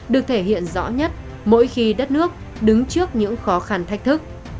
được thể hiện rõ nhất mỗi khi đất nước đứng trước những khó khăn thách thức